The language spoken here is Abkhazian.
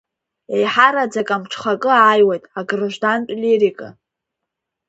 Еиҳараӡак амҽхакы аиуеит аграждантә лирика.